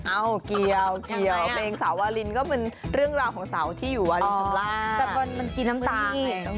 เอาเกียวเพลงสาวาลินก็เป็นเรื่องราวของสาวที่อยู่วาลินธรรมดา